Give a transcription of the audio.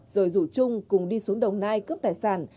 rồi rủ trung cùng đi xuống đồng nai cướp tài sản